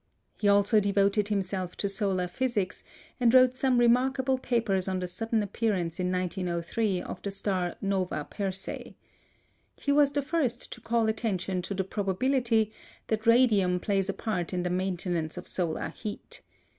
He also devoted himself to solar physics, and wrote some remarkable papers on the sudden appearance in 1903 of the star Nova Persei. He was the first to call attention to the probability that radium plays a part in the maintenance of solar heat.